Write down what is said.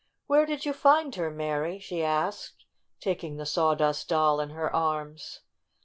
"Where did you find her, Mary?" she asked, taking the Sawdust Doll in her arms.